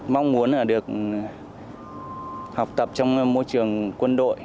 mong muốn được học tập trong môi trường quân đội